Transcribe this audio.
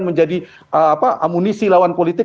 menjadi amunisi lawan politik